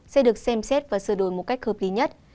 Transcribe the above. sẽ được xem xét và sửa đổi một cách hợp lý nhất